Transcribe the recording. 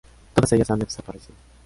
Todas ellas han desaparecido.